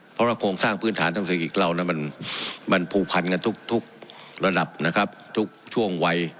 เพราะว่าโครงสร้างพื้นฐานทางเศรษฐกิจเรามันผูกพันกันทุกระดับนะครับทุกช่วงวัย